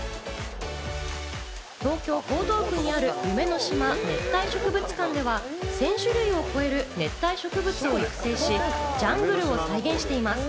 東京・江東区にある夢の島熱帯植物館では１０００種類を超える熱帯植物を育成し、ジャングルを再現しています。